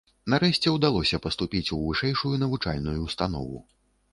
Нарэшце ўдалося паступіць у вышэйшую навучальную ўстанову.